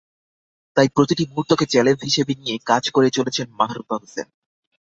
তাই প্রতিটি মুহূর্তকে চ্যালেঞ্জ হিসেবে নিয়ে কাজ করে চলেছেন মাহরুফা হোসেন।